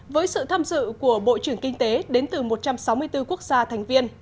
với sự tham dự của bộ trưởng kinh tế đến từ một trăm sáu mươi bốn quốc gia thành viên